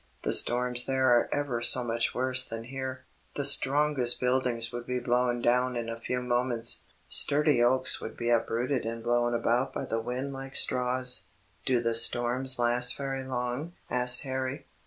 The storms there are ever so much worse than here. The strongest buildings would be blown down in a few moments; sturdy oaks would be uprooted and blown about by the wind like straws." "Do the storms last very long?" asked Harry.